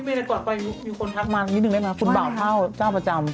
ที่เมย์ก่อนไปมีคนทักมานิดหนึ่งไหมคุณเบาเท้าเจ้าประจำ